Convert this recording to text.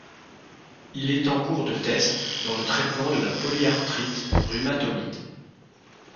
Il est en cours de test dans le traitement de la polyarthrite rhumatoïde.